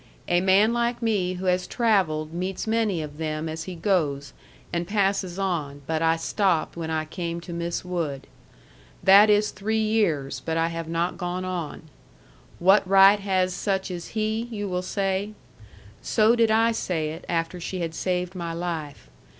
A man like me who has travelled meets many of them as he goes and passes on but I stopped when I came to Miss Wood. That is three years but I have not gone on. What right has such as he? you will say. So did I say it after she had saved my life.